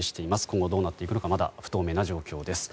今後、どうなっていくのかまだ不透明な状況です。